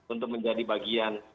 untuk menjadi bagian